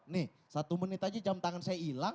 nih satu menit aja jam tangan saya hilang